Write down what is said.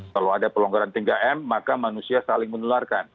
kalau ada pelonggaran tiga m maka manusia saling menularkan